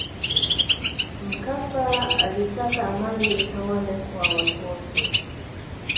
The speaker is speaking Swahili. mkapa alitaka amani itawale kwa watu wote